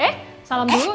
eh salam dulu